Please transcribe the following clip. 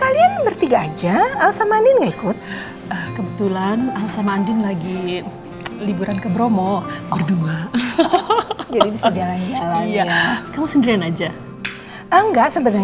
ada yang mau mama sampein ke papa